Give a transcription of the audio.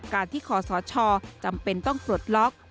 การที่ขอสชจำเป็นต้องปลดล็อก